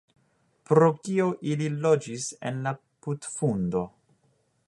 "Pro kio ili loĝis en la putfundo?"